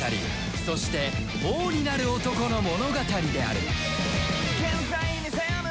そして王になる男の物語である